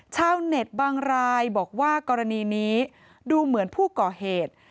ชาวเน็ตบางรายบอกว่ากรณีนี้ดูเหมือนผู้ก่อเหตุ